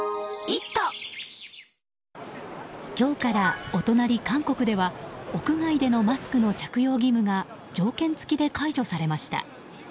今日からお隣、韓国では屋外でのマスクの着用義務が条件付きで解除されました。